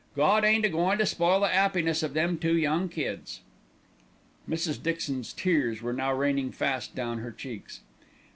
Gawd ain't a goin' to spoil the 'appiness of them two young kids." Mrs. Dixon's tears were now raining fast down her cheeks. "Mr.